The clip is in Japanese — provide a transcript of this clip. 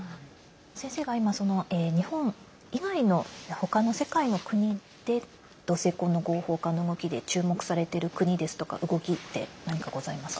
先生が今、日本以外の他の世界の国で同性婚の合法化の動きで注目されてる国ですとか動きって何かございますか？